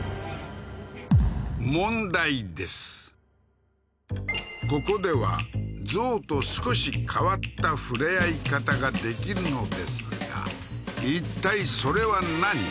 すげえなここではゾウと少し変わった触れ合い方ができるのですがいったいそれは何？